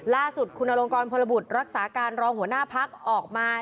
ล่าสุดคุณอลงกรพลบุตรรักษาการรองหัวหน้าพักออกมา